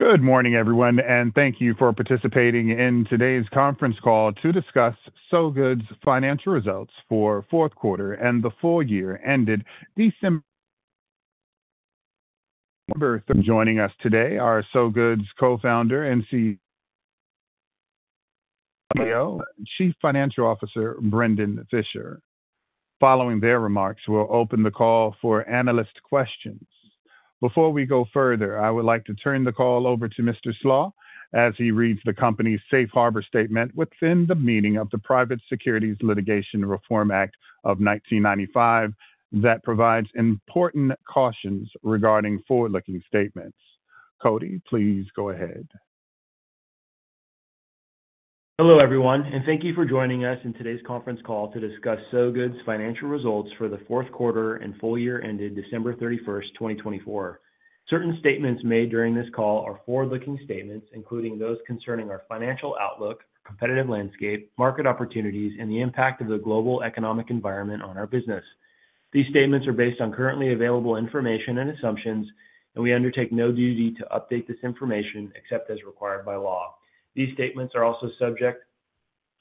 Good morning, everyone, and thank you for participating in today's conference call to discuss Sow Good's financial results for fourth quarter and the full year ended December 3rd. Joining us today are Sow Good's Co-founder and CEO, Chief Financial Officer, Brendon Fischer. Following their remarks, we'll open the call for analyst questions. Before we go further, I would like to turn the call over to Mr. Slach as he reads the company's safe harbor statement within the meaning of the Private Securities Litigation Reform Act of 1995 that provides important cautions regarding forward-looking statements. Cody, please go ahead. Hello, everyone, and thank you for joining us in today's conference call to discuss Sow Good's financial results for the fourth quarter and full year ended December 31st, 2024. Certain statements made during this call are forward-looking statements, including those concerning our financial outlook, competitive landscape, market opportunities, and the impact of the global economic environment on our business. These statements are based on currently available information and assumptions, and we undertake no duty to update this information except as required by law. These statements are also subject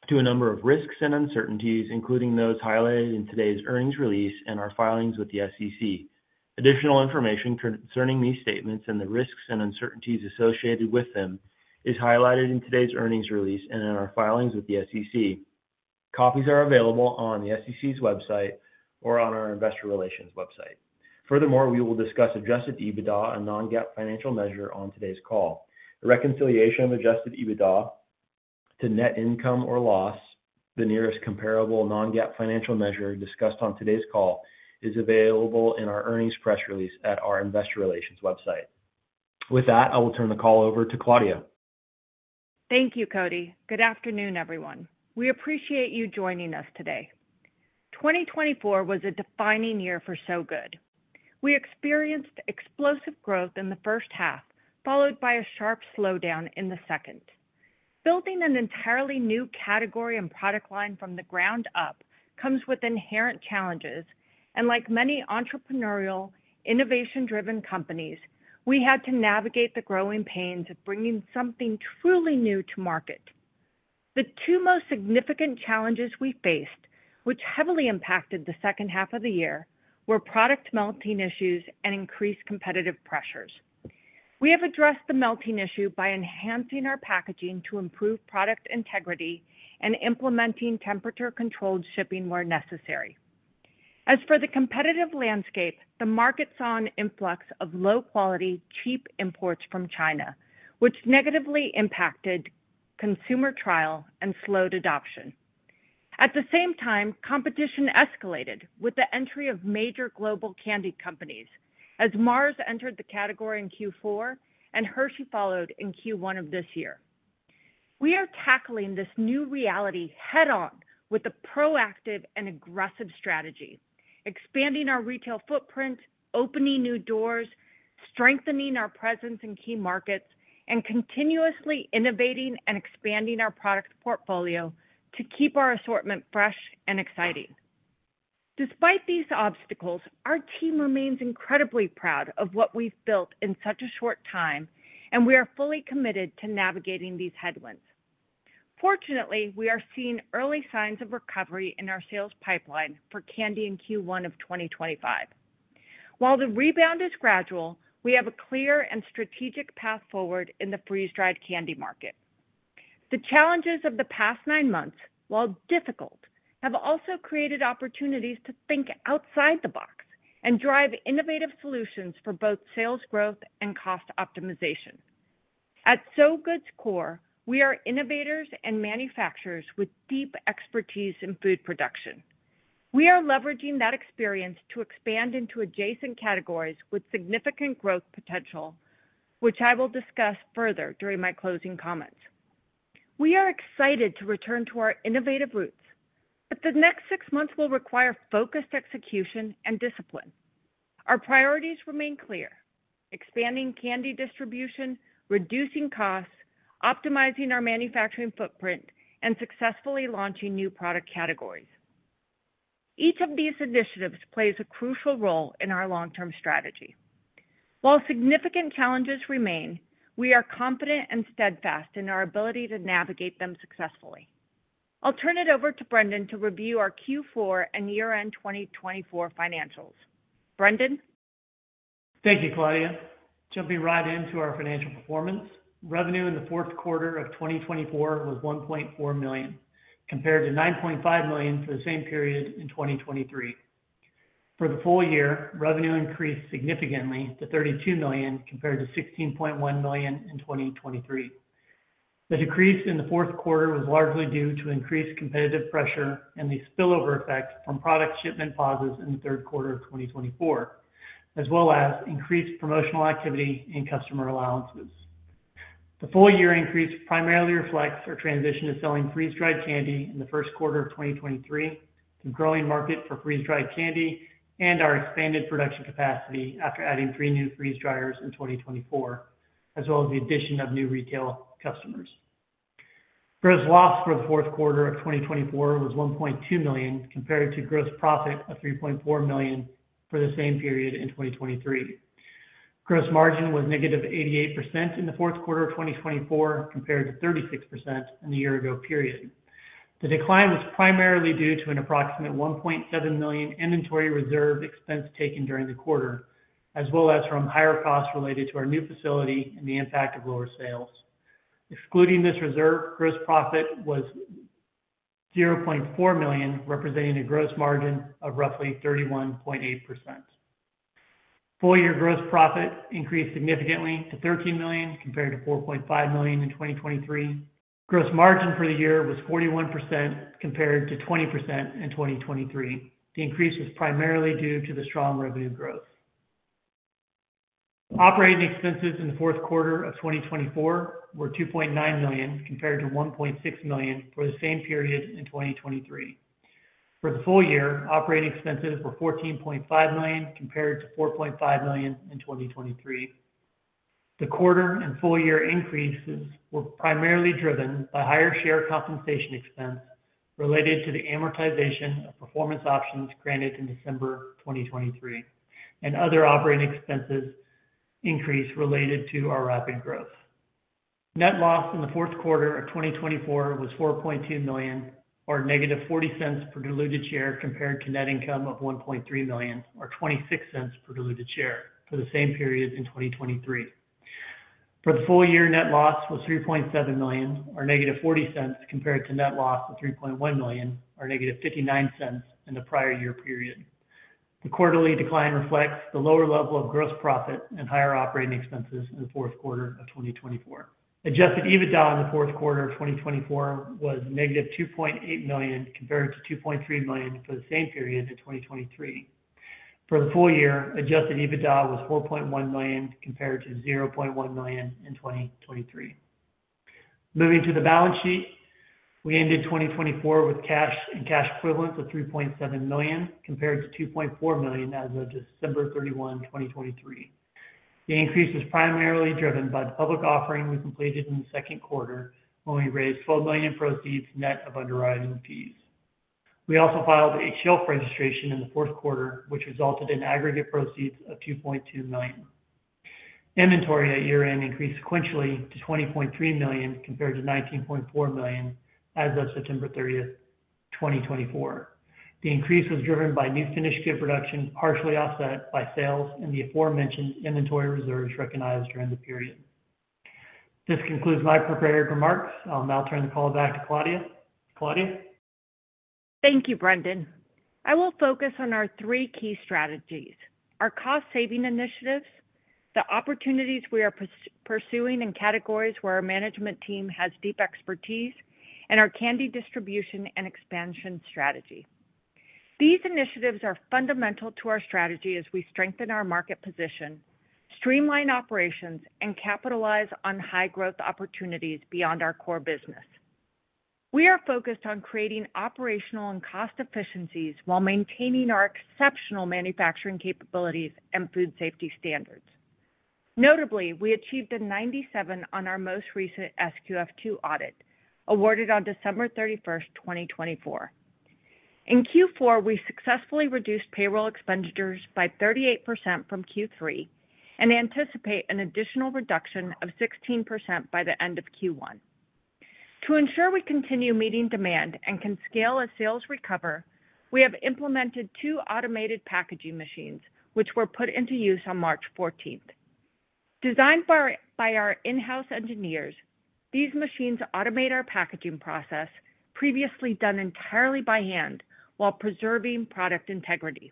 to a number of risks and uncertainties, including those highlighted in today's earnings release and our filings with the SEC. Additional information concerning these statements and the risks and uncertainties associated with them is highlighted in today's earnings release and in our filings with the SEC. Copies are available on the SEC's website or on our investor relations website. Furthermore, we will discuss adjusted EBITDA and non-GAAP financial measure on today's call. The reconciliation of adjusted EBITDA to net income or loss, the nearest comparable non-GAAP financial measure discussed on today's call, is available in our earnings press release at our investor relations website. With that, I will turn the call over to Claudia. Thank you, Cody. Good afternoon, everyone. We appreciate you joining us today. 2024 was a defining year for Sow Good. We experienced explosive growth in the first half, followed by a sharp slowdown in the second. Building an entirely new category and product line from the ground up comes with inherent challenges, and like many entrepreneurial, innovation-driven companies, we had to navigate the growing pains of bringing something truly new to market. The two most significant challenges we faced, which heavily impacted the second half of the year, were product melting issues and increased competitive pressures. We have addressed the melting issue by enhancing our packaging to improve product integrity and implementing temperature-controlled shipping where necessary. As for the competitive landscape, the market saw an influx of low-quality, cheap imports from China, which negatively impacted consumer trial and slowed adoption. At the same time, competition escalated with the entry of major global candy companies as Mars entered the category in Q4 and Hershey followed in Q1 of this year. We are tackling this new reality head-on with a proactive and aggressive strategy, expanding our retail footprint, opening new doors, strengthening our presence in key markets, and continuously innovating and expanding our product portfolio to keep our assortment fresh and exciting. Despite these obstacles, our team remains incredibly proud of what we've built in such a short time, and we are fully committed to navigating these headwinds. Fortunately, we are seeing early signs of recovery in our sales pipeline for candy in Q1 of 2025. While the rebound is gradual, we have a clear and strategic path forward in the freeze-dried candy market. The challenges of the past nine months, while difficult, have also created opportunities to think outside the box and drive innovative solutions for both sales growth and cost optimization. At Sow Good's core, we are innovators and manufacturers with deep expertise in food production. We are leveraging that experience to expand into adjacent categories with significant growth potential, which I will discuss further during my closing comments. We are excited to return to our innovative roots, but the next six months will require focused execution and discipline. Our priorities remain clear: expanding candy distribution, reducing costs, optimizing our manufacturing footprint, and successfully launching new product categories. Each of these initiatives plays a crucial role in our long-term strategy. While significant challenges remain, we are confident and steadfast in our ability to navigate them successfully. I'll turn it over to Brendon to review our Q4 and year-end 2024 financials. Brendon? Thank you, Claudia. Jumping right into our financial performance, revenue in the fourth quarter of 2024 was $1.4 million, compared to $9.5 million for the same period in 2023. For the full year, revenue increased significantly to $32 million compared to $16.1 million in 2023. The decrease in the fourth quarter was largely due to increased competitive pressure and the spillover effect from product shipment pauses in the third quarter of 2024, as well as increased promotional activity and customer allowances. The full-year increase primarily reflects our transition to selling freeze-dried candy in the first quarter of 2023, the growing market for freeze-dried candy, and our expanded production capacity after adding three new freeze dryers in 2024, as well as the addition of new retail customers. Gross loss for the fourth quarter of 2024 was $1.2 million compared to gross profit of $3.4 million for the same period in 2023. Gross margin was negative 88% in the fourth quarter of 2024 compared to 36% in the year-ago period. The decline was primarily due to an approximate $1.7 million inventory reserve expense taken during the quarter, as well as from higher costs related to our new facility and the impact of lower sales. Excluding this reserve, gross profit was $0.4 million, representing a gross margin of roughly 31.8%. Full-year gross profit increased significantly to $13 million compared to $4.5 million in 2023. Gross margin for the year was 41% compared to 20% in 2023. The increase was primarily due to the strong revenue growth. Operating expenses in the fourth quarter of 2024 were $2.9 million compared to $1.6 million for the same period in 2023. For the full year, operating expenses were $14.5 million compared to $4.5 million in 2023. The quarter and full-year increases were primarily driven by higher share compensation expense related to the amortization of performance options granted in December 2023, and other operating expenses increased related to our rapid growth. Net loss in the fourth quarter of 2024 was $4.2 million, or negative $0.40 per diluted share, compared to net income of $1.3 million, or $0.26 per diluted share for the same period in 2023. For the full year, net loss was $3.7 million, or negative $0.40, compared to net loss of $3.1 million, or negative $0.59 in the prior year period. The quarterly decline reflects the lower level of gross profit and higher operating expenses in the fourth quarter of 2024. Adjusted EBITDA in the fourth quarter of 2024 was negative $2.8 million compared to $2.3 million for the same period in 2023. For the full year, adjusted EBITDA was $4.1 million compared to $0.1 million in 2023. Moving to the balance sheet, we ended 2024 with cash and cash equivalent of $3.7 million compared to $2.4 million as of December 31, 2023. The increase was primarily driven by the public offering we completed in the second quarter, when we raised $12 million in proceeds net of underwriting fees. We also filed a shelf registration in the fourth quarter, which resulted in aggregate proceeds of $2.2 million. Inventory at year-end increased sequentially to $20.3 million compared to $19.4 million as of September 30th, 2024. The increase was driven by new finished good production partially offset by sales and the aforementioned inventory reserves recognized during the period. This concludes my prepared remarks. I'll now turn the call back to Claudia. Claudia? Thank you, Brendon. I will focus on our three key strategies: our cost-saving initiatives, the opportunities we are pursuing in categories where our management team has deep expertise, and our candy distribution and expansion strategy. These initiatives are fundamental to our strategy as we strengthen our market position, streamline operations, and capitalize on high-growth opportunities beyond our core business. We are focused on creating operational and cost efficiencies while maintaining our exceptional manufacturing capabilities and food safety standards. Notably, we achieved a 97 on our most recent SQF 2 audit awarded on December 31st, 2024. In Q4, we successfully reduced payroll expenditures by 38% from Q3 and anticipate an additional reduction of 16% by the end of Q1. To ensure we continue meeting demand and can scale as sales recover, we have implemented two automated packaging machines, which were put into use on March 14th. Designed by our in-house engineers, these machines automate our packaging process, previously done entirely by hand, while preserving product integrity.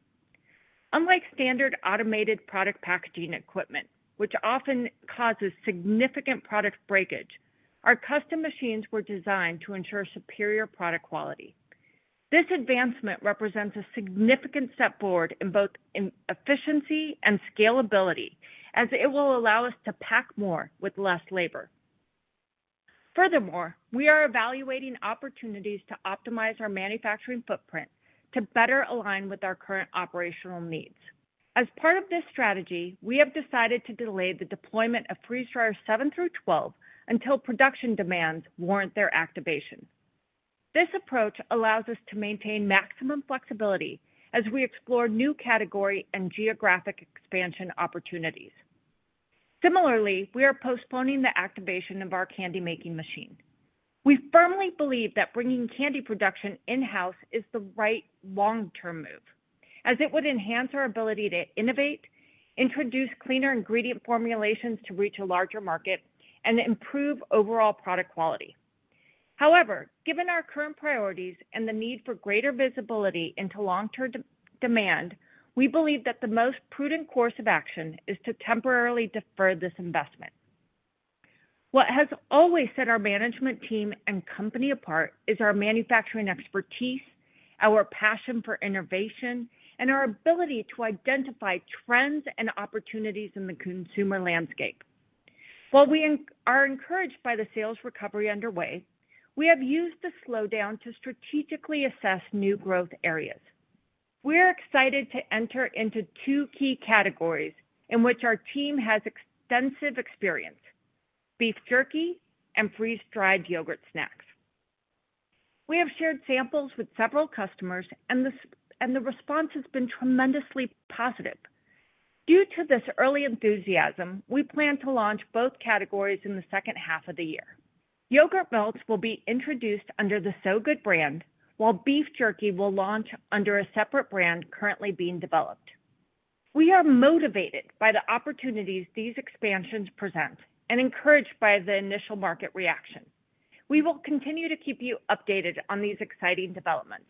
Unlike standard automated product packaging equipment, which often causes significant product breakage, our custom machines were designed to ensure superior product quality. This advancement represents a significant step forward in both efficiency and scalability, as it will allow us to pack more with less labor. Furthermore, we are evaluating opportunities to optimize our manufacturing footprint to better align with our current operational needs. As part of this strategy, we have decided to delay the deployment of freeze dryers 7-12 until production demands warrant their activation. This approach allows us to maintain maximum flexibility as we explore new category and geographic expansion opportunities. Similarly, we are postponing the activation of our candy-making machine. We firmly believe that bringing candy production in-house is the right long-term move, as it would enhance our ability to innovate, introduce cleaner ingredient formulations to reach a larger market, and improve overall product quality. However, given our current priorities and the need for greater visibility into long-term demand, we believe that the most prudent course of action is to temporarily defer this investment. What has always set our management team and company apart is our manufacturing expertise, our passion for innovation, and our ability to identify trends and opportunities in the consumer landscape. While we are encouraged by the sales recovery underway, we have used the slowdown to strategically assess new growth areas. We are excited to enter into two key categories in which our team has extensive experience: beef jerky and freeze-dried yogurt snacks. We have shared samples with several customers, and the response has been tremendously positive. Due to this early enthusiasm, we plan to launch both categories in the second half of the year. Yogurt melts will be introduced under the Sow Good brand, while beef jerky will launch under a separate brand currently being developed. We are motivated by the opportunities these expansions present and encouraged by the initial market reaction. We will continue to keep you updated on these exciting developments.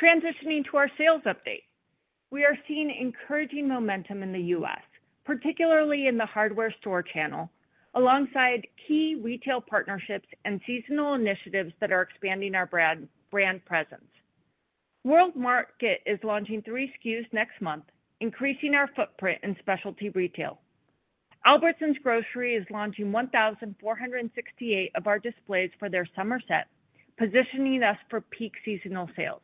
Transitioning to our sales update, we are seeing encouraging momentum in the U.S., particularly in the hardware store channel, alongside key retail partnerships and seasonal initiatives that are expanding our brand presence. World Market is launching three SKUs next month, increasing our footprint in specialty retail. Albertsons Grocery is launching 1,468 of our displays for their summer set, positioning us for peak seasonal sales.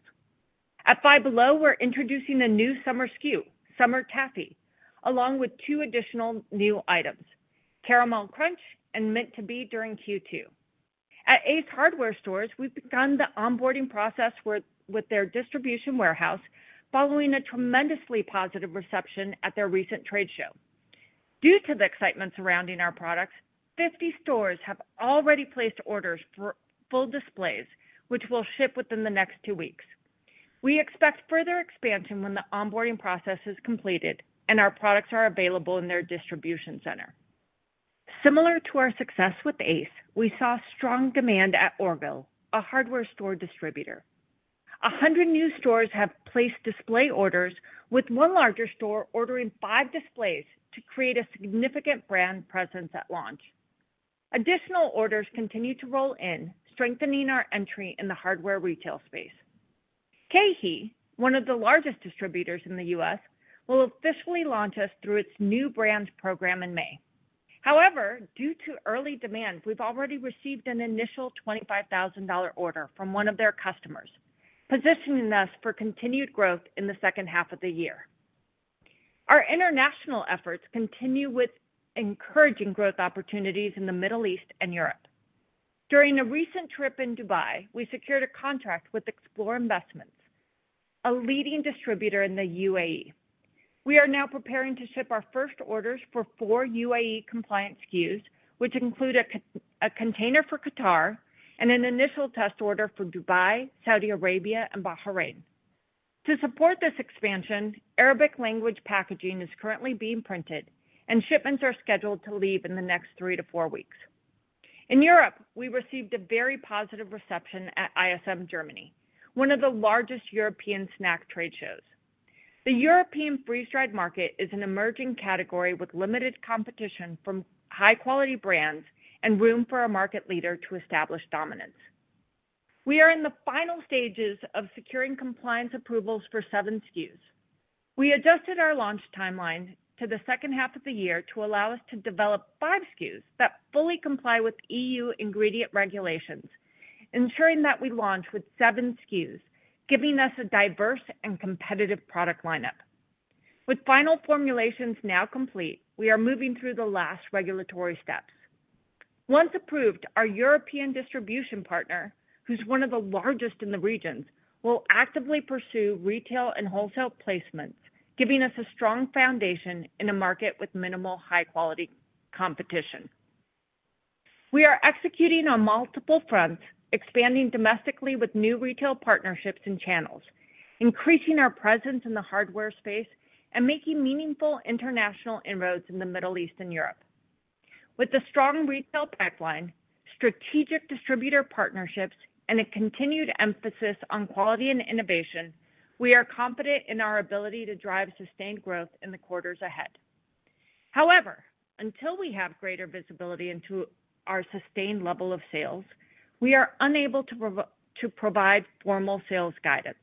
At Five Below, we're introducing a new summer SKU, Summer Taffy, along with two additional new items, Caramel Crunch and Mint to Be during Q2. At Ace Hardware Stores, we've begun the onboarding process with their distribution warehouse following a tremendously positive reception at their recent trade show. Due to the excitement surrounding our products, 50 stores have already placed orders for full displays, which will ship within the next two weeks. We expect further expansion when the onboarding process is completed and our products are available in their distribution center. Similar to our success with Ace, we saw strong demand at Orgill, a hardware store distributor. 100 new stores have placed display orders, with one larger store ordering five displays to create a significant brand presence at launch. Additional orders continue to roll in, strengthening our entry in the hardware retail space. KeHE, one of the largest distributors in the U.S., will officially launch us through its new brand program in May. However, due to early demand, we've already received an initial $25,000 order from one of their customers, positioning us for continued growth in the second half of the year. Our international efforts continue with encouraging growth opportunities in the Middle East and Europe. During a recent trip in Dubai, we secured a contract with Xplor Investments, a leading distributor in the UAE. We are now preparing to ship our first orders for four UAE-compliant SKUs, which include a container for Qatar and an initial test order for Dubai, Saudi Arabia, and Bahrain. To support this expansion, Arabic-language packaging is currently being printed, and shipments are scheduled to leave in the next three to four weeks. In Europe, we received a very positive reception at ISM Germany, one of the largest European snack trade shows. The European freeze-dried market is an emerging category with limited competition from high-quality brands and room for a market leader to establish dominance. We are in the final stages of securing compliance approvals for seven SKUs. We adjusted our launch timeline to the second half of the year to allow us to develop five SKUs that fully comply with EU ingredient regulations, ensuring that we launch with seven SKUs, giving us a diverse and competitive product lineup. With final formulations now complete, we are moving through the last regulatory steps. Once approved, our European distribution partner, who's one of the largest in the regions, will actively pursue retail and wholesale placements, giving us a strong foundation in a market with minimal high-quality competition. We are executing on multiple fronts, expanding domestically with new retail partnerships and channels, increasing our presence in the hardware space, and making meaningful international inroads in the Middle East and Europe. With a strong retail pipeline, strategic distributor partnerships, and a continued emphasis on quality and innovation, we are confident in our ability to drive sustained growth in the quarters ahead. However, until we have greater visibility into our sustained level of sales, we are unable to provide formal sales guidance.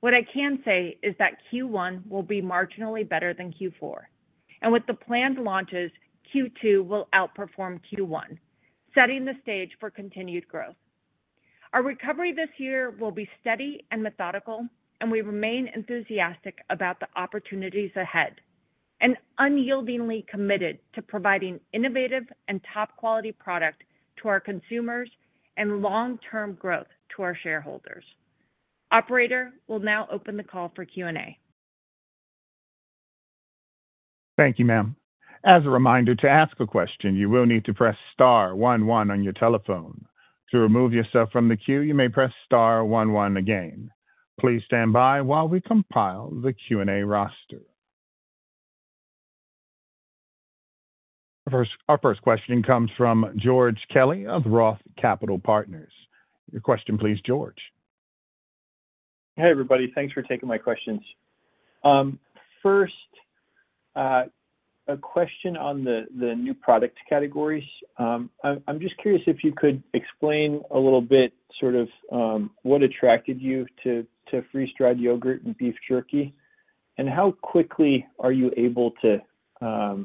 What I can say is that Q1 will be marginally better than Q4, and with the planned launches, Q2 will outperform Q1, setting the stage for continued growth. Our recovery this year will be steady and methodical, and we remain enthusiastic about the opportunities ahead and unyieldingly committed to providing innovative and top-quality product to our consumers and long-term growth to our shareholders. Operator will now open the call for Q&A. Thank you, ma'am. As a reminder, to ask a question, you will need to press star one one on your telephone. To remove yourself from the queue, you may press star one one again. Please stand by while we compile the Q&A roster. Our first question comes from George Kelly of Roth Capital Partners. Your question, please, George. Hey, everybody. Thanks for taking my questions. First, a question on the new product categories. I'm just curious if you could explain a little bit sort of what attracted you to freeze-dried yogurt and beef jerky, and how quickly are you able to—I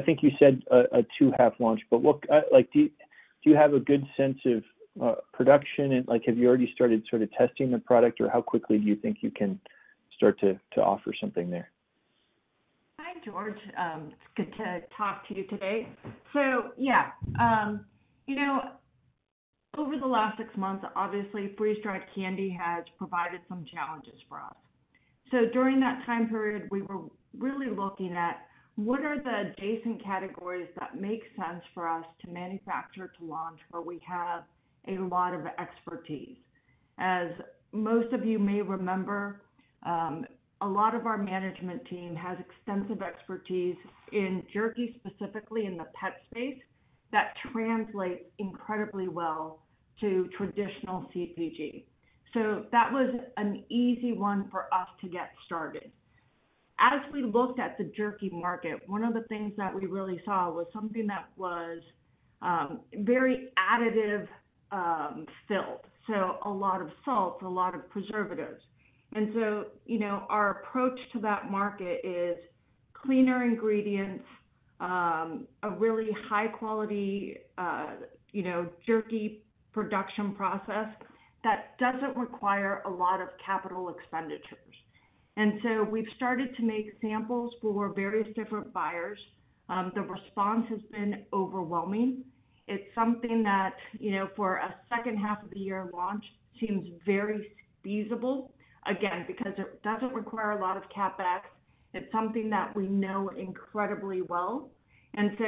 think you said a two-half launch, but do you have a good sense of production? Have you already started sort of testing the product, or how quickly do you think you can start to offer something there? Hi, George. It's good to talk to you today. Yeah, over the last six months, obviously, freeze-dried candy has provided some challenges for us. During that time period, we were really looking at what are the adjacent categories that make sense for us to manufacture to launch where we have a lot of expertise. As most of you may remember, a lot of our management team has extensive expertise in jerky, specifically in the pet space, that translates incredibly well to traditional CPG. That was an easy one for us to get started. As we looked at the jerky market, one of the things that we really saw was something that was very additive-filled, so a lot of salts, a lot of preservatives. Our approach to that market is cleaner ingredients, a really high-quality jerky production process that doesn't require a lot of capital expenditures. We have started to make samples for various different buyers. The response has been overwhelming. It is something that, for a second half of the year launch, seems very feasible, again, because it does not require a lot of CAPEX. It is something that we know incredibly well. That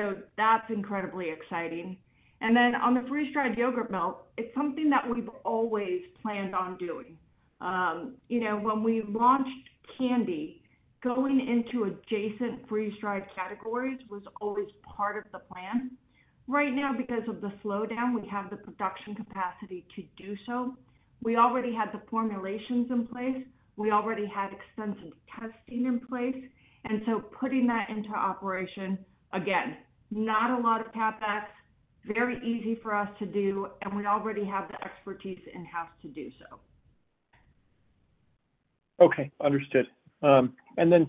is incredibly exciting. On the freeze-dried yogurt melt, it is something that we have always planned on doing. When we launched candy, going into adjacent freeze-dried categories was always part of the plan. Right now, because of the slowdown, we have the production capacity to do so. We already had the formulations in place. We already had extensive testing in place. Putting that into operation, again, not a lot of CAPEX, very easy for us to do, and we already have the expertise in-house to do so. Okay. Understood.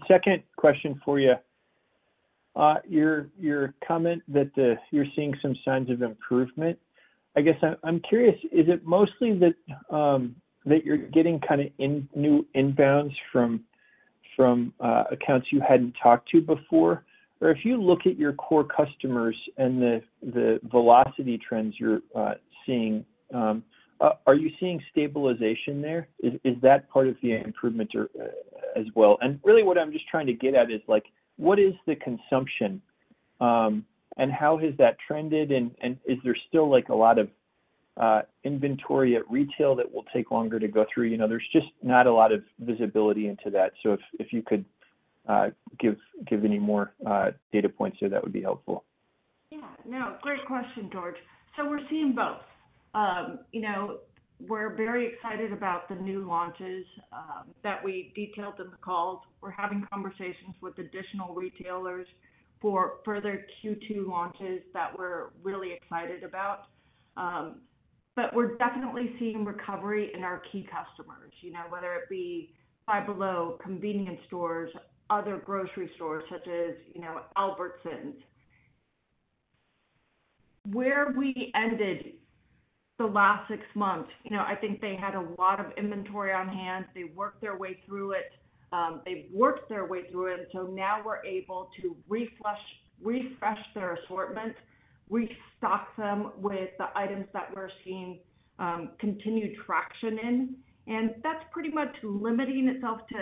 Second question for you. Your comment that you're seeing some signs of improvement, I guess I'm curious, is it mostly that you're getting kind of new inbounds from accounts you hadn't talked to before? If you look at your core customers and the velocity trends you're seeing, are you seeing stabilization there? Is that part of the improvement as well? What I'm just trying to get at is what is the consumption, and how has that trended? Is there still a lot of inventory at retail that will take longer to go through? There's just not a lot of visibility into that. If you could give any more data points there, that would be helpful. Yeah. No, great question, George. We're seeing both. We're very excited about the new launches that we detailed in the calls. We're having conversations with additional retailers for further Q2 launches that we're really excited about. We're definitely seeing recovery in our key customers, whether it be Five Below, convenience stores, other grocery stores such as Albertsons. Where we ended the last six months, I think they had a lot of inventory on hand. They worked their way through it. They've worked their way through it. Now we're able to refresh their assortment, restock them with the items that we're seeing continued traction in. That's pretty much limiting itself to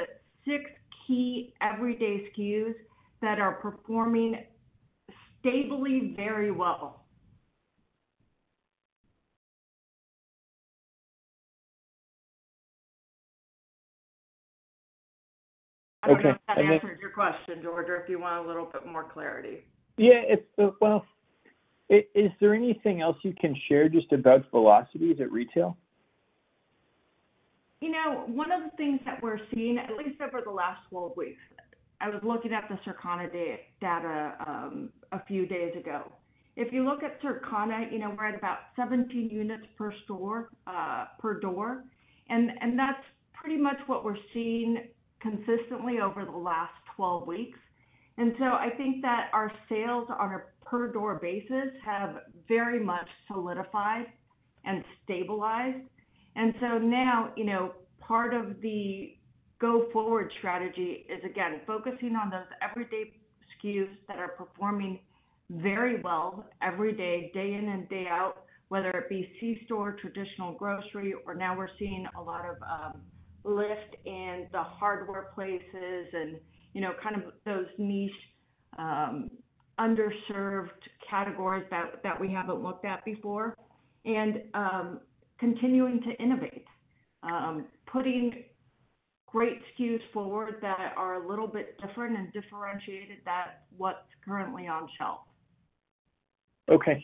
six key everyday SKUs that are performing stably very well. I don't know if that answered your question, George, or if you want a little bit more clarity? Yeah. Is there anything else you can share just about velocities at retail? One of the things that we're seeing, at least over the last 12 weeks, I was looking at the Circana data a few days ago. If you look at Circana, we're at about 17 units per door, and that's pretty much what we're seeing consistently over the last 12 weeks. I think that our sales on a per-door basis have very much solidified and stabilized. Now part of the go-forward strategy is, again, focusing on those everyday SKUs that are performing very well every day, day in and day out, whether it be C-store, traditional grocery, or now we're seeing a lot of lift in the hardware places and kind of those niche underserved categories that we haven't looked at before, and continuing to innovate, putting great SKUs forward that are a little bit different and differentiated than what's currently on shelf. Okay.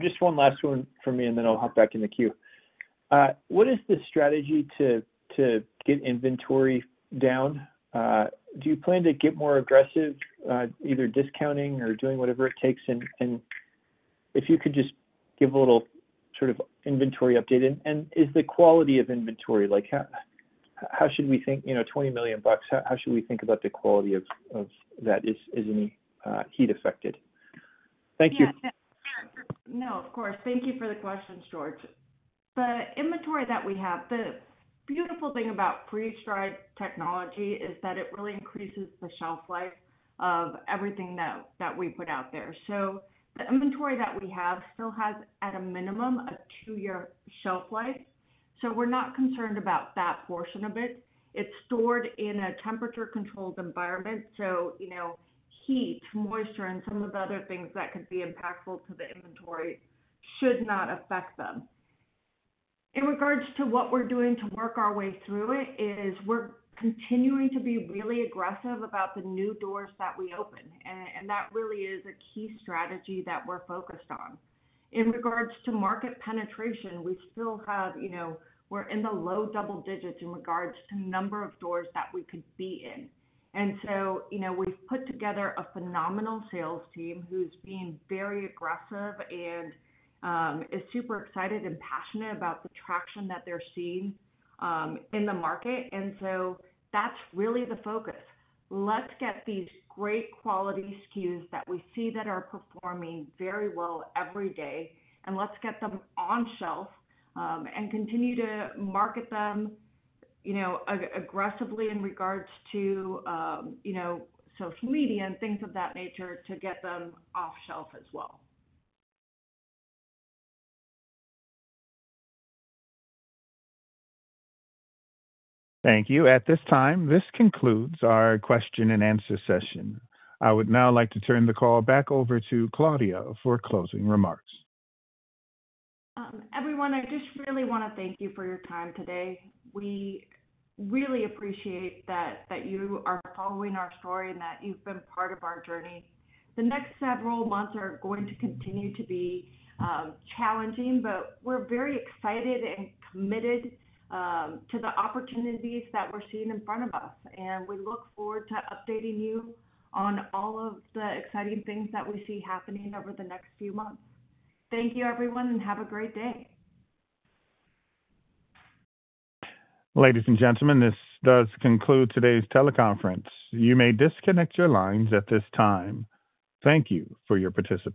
Just one last one for me, and then I'll hop back in the queue. What is the strategy to get inventory down? Do you plan to get more aggressive, either discounting or doing whatever it takes? If you could just give a little sort of inventory update. Is the quality of inventory—how should we think? $20 million, how should we think about the quality of that? Is any heat affected? Thank you. No, of course. Thank you for the question, George. The inventory that we have, the beautiful thing about freeze-dried technology is that it really increases the shelf life of everything that we put out there. The inventory that we have still has, at a minimum, a two-year shelf life. We are not concerned about that portion of it. It is stored in a temperature-controlled environment. Heat, moisture, and some of the other things that could be impactful to the inventory should not affect them. In regards to what we are doing to work our way through it, we are continuing to be really aggressive about the new doors that we open. That really is a key strategy that we are focused on. In regards to market penetration, we still have—we are in the low double digits in regards to the number of doors that we could be in. We have put together a phenomenal sales team who is being very aggressive and is super excited and passionate about the traction that they are seeing in the market. That is really the focus. Let's get these great quality SKUs that we see that are performing very well every day, and let's get them on shelf and continue to market them aggressively in regards to social media and things of that nature to get them off shelf as well. Thank you. At this time, this concludes our question-and-answer session. I would now like to turn the call back over to Claudia for closing remarks. Everyone, I just really want to thank you for your time today. We really appreciate that you are following our story and that you've been part of our journey. The next several months are going to continue to be challenging, but we're very excited and committed to the opportunities that we're seeing in front of us. We look forward to updating you on all of the exciting things that we see happening over the next few months. Thank you, everyone, and have a great day. Ladies and gentlemen, this does conclude today's teleconference. You may disconnect your lines at this time. Thank you for your participation.